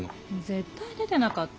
絶対出てなかった。